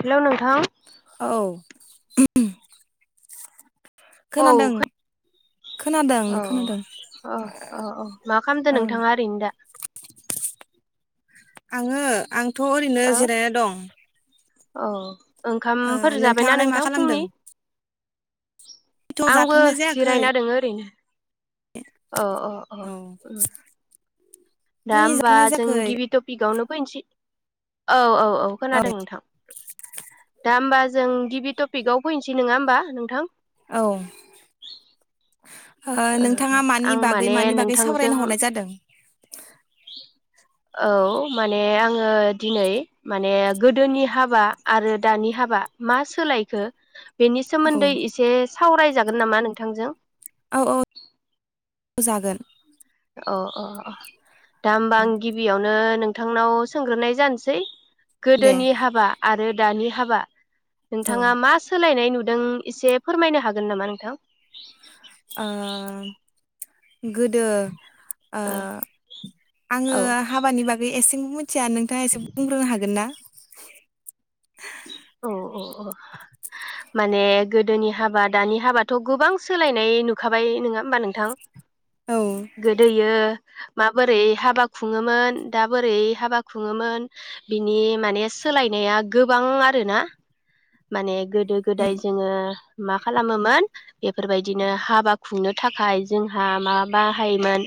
हेल' नोंथां उम औ खोनादों औ खोनादों औ औ औ मा ओ खालामदो नोंथाङा ओरैनो दा आङो आं थ' ओरैनो दा ओ जिरायनाय दं औ ओ ओंखामफोर जाबायना नोंथाङालाय मा नोंथां खालामदों फुंनि थ' आंबो जाथ'नाय जायाखै जिरायना दोङो ओरैनो औ दा फुंनि होमबा जाथ'नाय जों जायाखै गिबि टपिकआवनो फैनोसै औ औ ओ औ खोनादों नोंथां दा होमबा जों गिबि टपिकआव फैनोसै नङा होमबा नोंथां औ ओ ओ ओ नोंथाङा मानि आं बागै माने मानि बागै सावरायनो नोंथांजों हरनाय जादों औ माने आङो दिनै माने गोदोनि हाबा आरो दानि हाबा मा सोलायखो बेनि औ सोमोनदै एसे सावराय जा गोन नामा नोंथांजों औ औ जागोन अ अ अ दा होमबा आं गिबियावनो नोंथांनाव सोंग्रोनाय जानोसै दे गोदोनि हाबा आरो दानि हाबा औ नोंथाङा मा सोलायनाय नु दों एसे फोरमायनो हागोन नामा नोंथां आ गोदो ओ आङो औ हाबानि बागै एसें मिथिया नोंथाङा एसे बुंग्रोनो हागोन ना औ औ औ माने गोदोनि हाबा दानि हाबाथ' गोबां सोलायनाय नुखाबाय नङा होमबा नोंथां औ गोदोयो माबोरै हाबा खुङोमोन दा बोरै हाबा खुङोमोन बिनि माने सोलायनाया गोबां आरो ना माने गोदो उम गोदाय जोङो मा खालामोमोन बेफोरबायदिनो हाबा खुंनो थाखाय जोंहा मा बाहायोमोन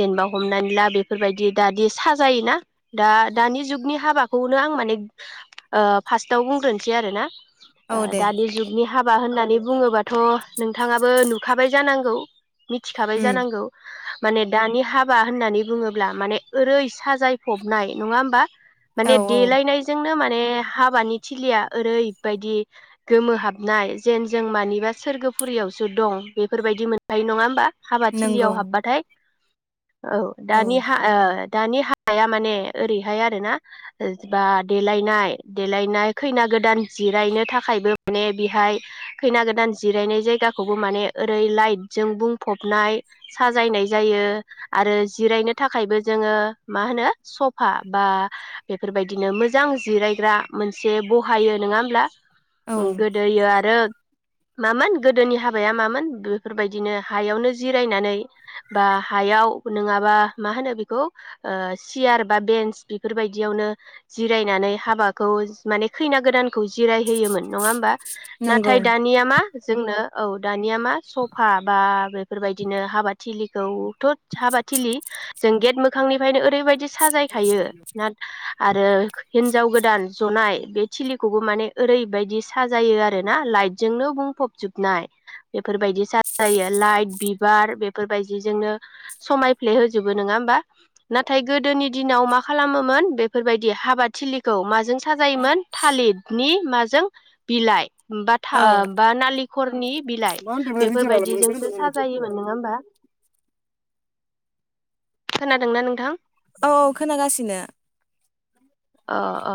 जेनेबा हमनानै ला बेफोरबायदि दादि साजायोना दा दानि जुगनि हाबाखौनो आं माने ओ फार्स्टआव बुंग्रोनोसै आरो ना औ ओ दे दानि जुगनि हा बा होननानै बुङोबाथ' नोंथाङाबो नुखाबाय जानांगौ मिथिखाबाय उम जानांगौ माने दानि हाबा होननानै बुङोब्ला माने ओरै साजायफबनाय नङा होमबा औ माने औ देलायनायजोंनो मान माने हाबानि थिलिया ओरै बायदि गोमोहाबनाय जेन जों मानिबा सोरगोफुरियावसो दं बेफोरबायदि मोनखायो नङा होमबा हाबा नंगौ थिलियाव हाबबाथाय औ दानि हा ओ दानि हाबाया माने ओरैहाय आर ना बा देलायनाय देलायनाय खैना गोदान जिरायनो थाखायबो माने बेहाय खैना गोदान जिरायनाय जायगाखौबो माने ओरै लाइटजों बुंफबनाय साजायनाय जायो आरो जिरायनो थाखायबो जोङो मा होनो सफा बा बेफोरबायदिनो मोजां जिरायग्रा मोनसे बहायो नङा ला औ गोदोयो आरो मामोन गोदोनि हाबाया मामोन बेफोरबायदिनो हायावनो जिरायनानै बा हायाव नङाबा मा होनो बेखौ ओ सियार बा बेन्स बेफोरबायदियावनो जिरायनानै हाबाखौ माने खैना गोदान खौ जिराय होयोमोन नङा होमबा नंगौ नाथाय दानिया मा जोंनो औ दानिया मा सफा बा बेफोरबायदिनो हाबाथिलिखौथ' हाबाथििलि जों गेट मोखांनिफ्रायनो ओरैबायदि साजायखायो ना आरो हिनजाव गोदान जनाय बे थिलि बो माने ओरैबायदि साजायो आरोना लाइटजोंनो बुंफबजोबनाय बेफोरबायदि साजायो लाइट बिबार बेफोरबायदि जनो समायफ्ले होजोबो नङा हबा नाथाय गोदोनि दिनाव मा खालामोमोन बेफोरबायदि हाबा थिलिखौ माजों साजायोमोन थालिर नि माजों बिलाइ बा था औ बा नालि हरनि बिलाइ मा होनदोंमोन रिजाल्टआलाय बेफोरबायदिजोंसो मोनगोन ना मोना नोंसोरनिखौलाय? साजायोमोन नङा होमबा खोनादोंना नोंथां औ खोनागासिनो अ अ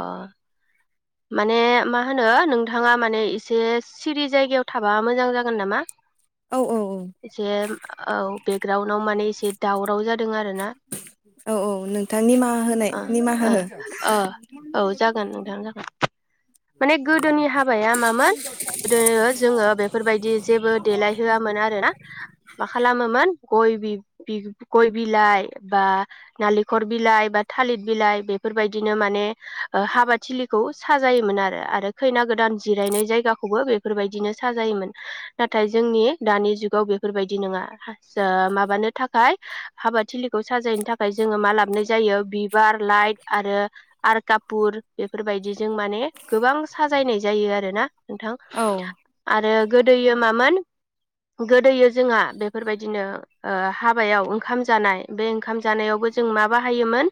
माने मा होनो नोंथाङा माने एसे सिरि जायगायाव थाबा मोजां जागोन नामा औ औ जे औ ग्राउन्डाव माने एसे दाउन राव जादों आरोना औ औ नोंथां निमाहा होनाय ओ निमाहा ओ हो ओ औ जागोन नोंथां जागोन माने गोदोनि हाबाया मामोन गोदो जोङो बेफोरबायदि जेबो देलायहोआमोन आरोना मा खालामोमोन गय बि गय बिलाइ बा नारेंखल बिलाइ बा थालिर बिलाइ बेफोरबायदिनो माने ओ हाबाथिलि खौ साजायोमोन आरो खैना गोदान जिरायनाय जायाखौबो बेफोरबायदिनो साजायोमोन नाथाय जोंनि दानि जुगाव बेफोरबायदि नङा माबानो थाखाय हाबाथििलिखौ साजायनो थाखाय जोङो मा लाबाय जायो बिबार लाइट आरो आरो कापुर बे बेफोरबायदिजों माने गोबां साजायनाय जायो आरोना नोंथां औ आरो गोदोयो मामोन गोदोयो जोंहा बेफोरबायदिनो ओ हाबायाव ओंखाम जानाय बे ओंखाम जानायावबो जों मा बाहायोमोन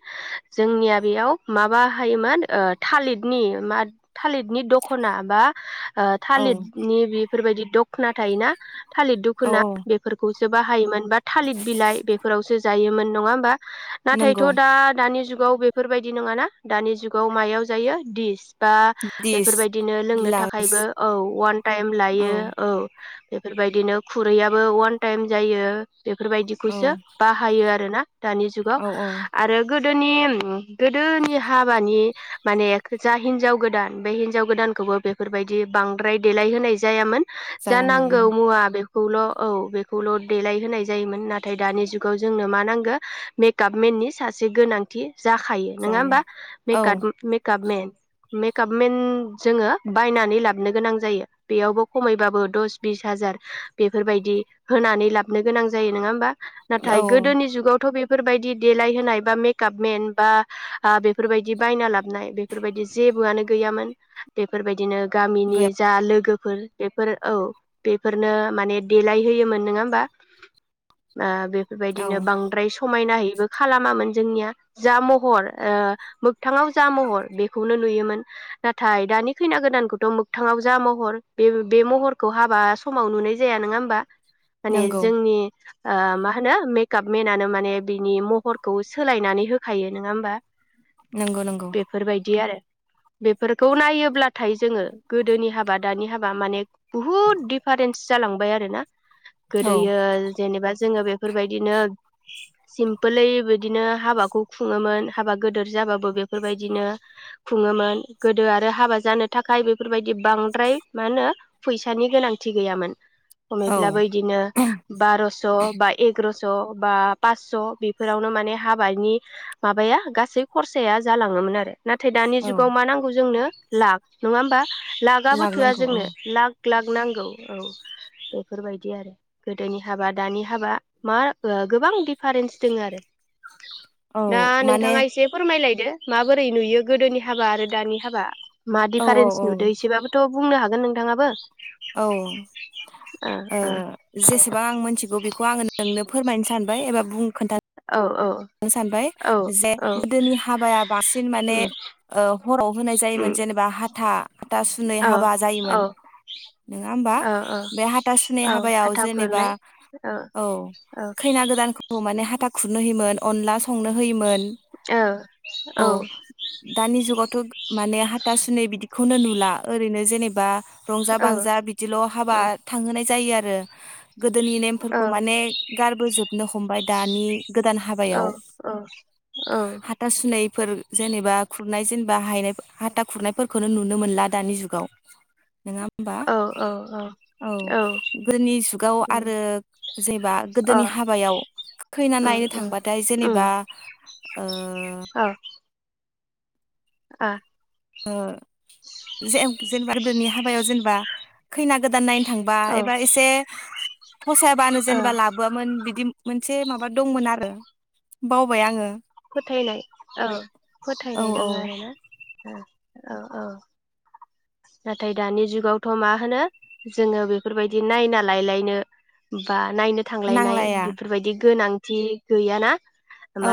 जोंनिया बेयाव मा बाहायोमोन ओ थालिरनि मा थालिरनि दखना बा ओ औ थालिरनि बे बेफोरबायदि दख'ना थायोना थालिर औ दुखोना औ बेफोरखौ बेखो बाहायोमोन बा थालिर बिलाइ बेफोरावसो जायोमोन नङा होमबा नाथायथ' नंगौ दा दानि जुग जुगाव बेफोरबायदि नङा ना दानि जुगाव मायाव जायो दिस बा दिस बेफोरबायदिनो लोंनो गिलास थाखायबो औ वान टाइम लायो औ बेफोरबायदिनो खुरैयाबो अवान टाइम जायो औ बेफोरबायदिखौसो बाहायो आरोना दानि जुगाव औ औ आरो गोदोनि औ गोदोनि हाबानि माने जा हिनजाव गोदान बे हिनजाव गोदानखौबो बेफोरबायदि बांद्राय देलायहोनाय जायामोन जा नांगौ जायामोन मुवा बे खौल' औ बेखौल' देलायहोनाय जायोमोन नाथाय दानि जुगाव जोंनो मा नांगौ मेकाप मेननि सासे गोनांथि जाखायो नङा जायो होमबा औ मेकआप मेकपमेन मेकपमेन जोङो बायनानै लाबोनो गोनां जायो बेयावबो खमैबाबो दस बिस हाजार बेफोरबायदि होनानै लाबोनो गोनां जायो नङा होमबा? नाथाय औ गोदोनि जुगावथ' बे फोरबायदि देलाय होनाय बा मेकआपमेन बा बेफोरबायदि बायना लाब नाय बेफोरबायदि जेबोआनो गैयामोन बेफोरबायदिनो गामिनि गैया जा लोगो बेफोर बेफोर औ बेफोरनो माने देलाय होयोमोन नोङा होमबा बा बे औ बेबायदिनो बांद्राय समायना है खालामामोन जोंनिया जा महर ओ मोगथाङाव जा महर बेखौनो नुयोमोन नाथाय दानि खैना गोदानखौथ' मोखथाङाव जा महर बे बे महरखौ हाबा समाव नुनाय जाया नङा होमबा? माने नंगौ जोंनि ओ मा होनो मेकाप मेनानो माने बिनि महरखौ सोलायनानै होखायो नङा होमबा? नंगौ नंगौ बेफोरबायदि आरो बेफोरखौ नायोब्ला। थाय जोङो गोदोनि हाबा दानि हाब बा माने बुहुत दिफारेन्स जालांबाय आरोना। औ गोदोयो जेनेबा जोङो बेफोरबायदिनो सिमपोलै बिदिनो हाबाखौ खुङोमोन हाबा गोदोर जाबाबो बे बोबायदिनो खुङोमोन गोदो आरो हाबा जानो थाखाय बेफोरबायदि बांद्राय मा होनो फैसानि गोनांथि गैयामोन। औ खमैब्लाबो इदिनो बार'स' बा एग्र'स' बा पासस' बेफोरावनो माने हाबानि माबाया गासै खरसाया जालाङोमोन आरो। नाथाय दानि औ जुगाव मा नांगौ जोंनो लाख नङा होमबा? लागाबो थोआ लांनांगौ औ जोंनो ला लाख नांगौ औ बेफोरबायदि आरो गोदोनि हाबा दानि हाबा मा ओ गोबां दिफारेन्स दोङो आरो औ दा माने नोंथाङा एसे फोरमायलाय। माबोरै नुयो गोदोनि हाबा आरो दानि हाबा? मा औ औ डिफारेन्स औ नुदों एसेबाबोथ' बुंनो हागोन नोंथाङाबो? औ ओ जेसेबां आं मोनथिगौ बेखौ आङो नोंनो फोरमायन सै सानबाय एबा बुं खोन्था ओ औ सानबाय औ जे औ गोदोनि हाबाया बांसिन माने उम ओ हराव होनाय जायोमोन उम जेनेबा हाथा हाथा सुुनै औ हाबा जायोमोन औ नोङा होमबा औ औ बे हाथ सुुनै औ हाबायाव हाथा जेनेबा खुरनाय औ औ खैना गोदानखौ माने हाथा खुरनो हैमोन अनला संनो होयोमोन औ औ दानि जुगावथ' माने हाथा सुनै बिदि खौनो नुला ओरैनो जेनेबा रंजा औ बांजा बिदिल' हाबा औ थांहोनाय जायो आरो गोदोनि औ नेमफोरखौ माने गारबोजोबनो हमबाय दानि गोदान हाब औ औ औ न फोरै जेनेबा खुरनाय जेनेबा हायनाय हाथा खुरनायफोरखौनो नुनो मोनला दानि जुगाव नोंङा होमबा औ गोदोनि जुगाव उम आरो जेनबा अ गोदोनि हाबायाव खैना उम नायनो उम थांबा जेनेबा उम ओ अ आ [unintelligible] जेनेबा गोदोनि हाबायाव जेनेबा खैना गोदान नायनो थांबा औ एबा एसे फसायाबानो ओ जेनेबा लाबोआमोन बिदि मोनसे माबा दंमोन आरो बावबाय आङो फोथायनाय औ औ फोथायनाय औ दङ आरोना औ औ नाथाय दानि जुगावथ' मा होनो जोङो बेफोरबायदि नायना लायलायनो बा नायनो थांलायनाय नांलाया बेफोरबायदि गोनां थि गैया ना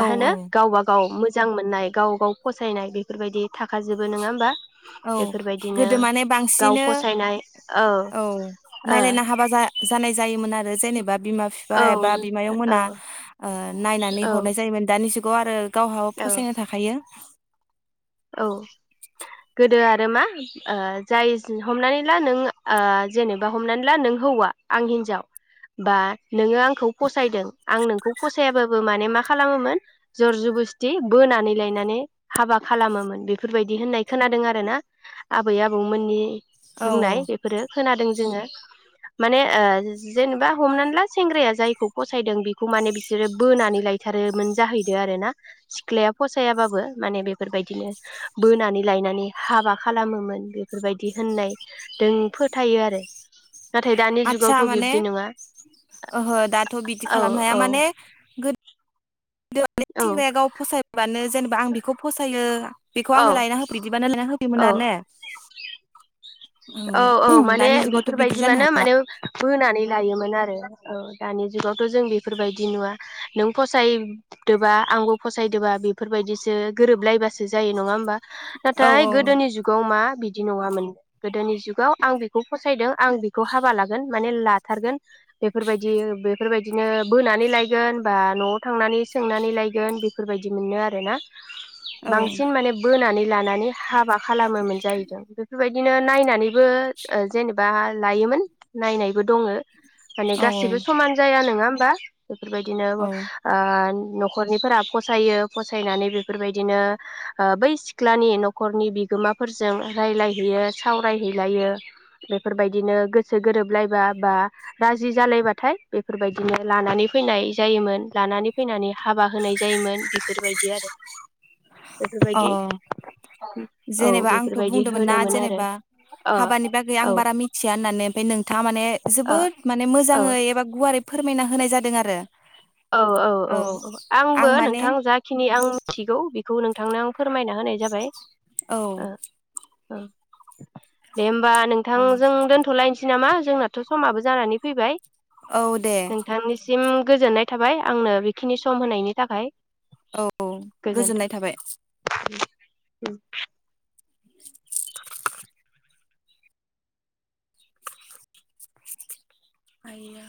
औ होनो औ गावबा गाव मोजां मोजां मोननाय गाव गाव फसायनाय बेफोरबायदि थाखाजोबो नङा होमबा औ बेफोरबाय गोदो माने बांसिनो औ नायलायना हाबा जानाय जायोमोन आरो जेनेबा बिमा बिफा ओ औ एबा बिमायं औ मोना नायनानै औ हरनाय जायोमोन दानि जुग ग आरो गावहाबो औ फसायनाय थाखायो औ गोदो आरो मा जाय हमनानै ला नों जेनेबा हमनानै ला नों हौवा आं हिनजाव बा नोङो आंखौ फसायदों आं नोंखौ फसायाबाबो माने मा खालामोमोन जर ज बस्थि बोनानै लायनानै हाबा खालामोमोन बेफोरबायदि होननाय खोनादों आरो ना आबै आबौमोननि औ बुंनाय बेफोरो खोनादों जोङो माने ओ जेनेबा हमनानै ला सेंग्राया जायखौ फसायदों बेखौ माने बिसोरो बोनानै लायथारोमोन जाहैद आरोना सिख्लाया फसायाबाबो माने बे बेफोरबायदिनो बोनानै लायनानै हाबा खालामोमोन बेफोरबायदि होननाय दों फोथायो आरो नाथाय दानि आदसा जुगावथ' माने बिब्दि नङा ओहो दाथ' बिदि औ खालामनो हाया औ माने गो गोनि औ सेंग्राया गाव फसायब्लानो जेनेबा आं बा बेखौ फसायो बेखौ आंनो औ लायना होफै इदिबानो लायना होफैयोमोन औ आरो ने औ औ माने दानि जुगावथ' बिदि जानो बेफोरबायदिबानो हाला माने बोनानै लायोमोन आरो औ दानि जुगावथ' जों बेफोरबायदि नुवा नों फसायदोबा आंबो फसायदोबा बेफोरबायदिसो गोरोबलायबासो जायो नङा होमबा औ नाथाय औ गोदोनि जुगाव मा बिदि नङामोन गोदोनि जुगाव आं बेखौ फसायदों आं बेखौ हाबा लागोन माने लाथारगोन बेफोरबायदि बेफोरबायदिनो बोनानै लायगोन बा न'आव थांनानै सोंनानै लायगोन बेफोरबायदि मोन नो आरोना औ बांसिन माने बोनानै लानानै हाबा खालामोमोन जाहैदों बेफोरबायदि बिदिनो नायनानैबो जेनेबा लायोमोन नायनायबो दङो माने औ गासैबो समान जाया नोङा होमबा बेफोर बायदिनो औ ओ न'खरनिफोरा फसायो फसायनानै बेफोर‌ बायदिनो बै सिख्लानि न'खरनि बिगोमाफोरजों रायलायहैयो सावरायहैलायो बेफोर बायदिनो गोसो गोरोबलायबा बा राजि जालायबाथाय बेफोरबायदिनो लानानै फैनाय जायोमोन लानानै फैनानै हाबा होनाय जायोमोन बेफोर बायदि आरो अ बेफोरबायदि औ जेनेबा आंथ' बेफोरबायदि बुंदोंमोन ना होनोमोन आरो जेनेबा ओ हाबानि बागै आं औ बारा मिथिया होननानै ओमफ्राय नों था माने ओ जोबोद माने औ मोजाङै एबा गुवारै फोरमायना होनाय जादों आरो औ औ औ औ आंबो आं माने नोंथां जाखिनि आं मिथिगौ खौ नोंथांनो आं फोरमायना होनाय जाबाय औ ओं दे होनबा बा नोंथां जों दोनथ'लायनोसै निसै नामा जोंनाथ' समाबो जानानै फैबाय औ दे सिम गोजोननाय थाबाय आंनो बेखिनि सम होनायनि थाखाय औ गोजोननाय गोजोन्थों थाबाय [inaudible] [inaudible] [inaudible]